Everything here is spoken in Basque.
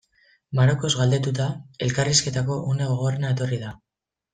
Marokoz galdetuta, elkarrizketako une gogorrena etorri da.